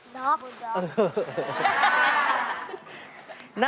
นักนัก